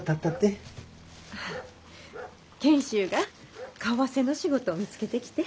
賢秀が為替の仕事を見つけてきて。